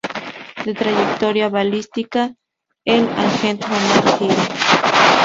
De trayectoria balística, el agente Omar Gil.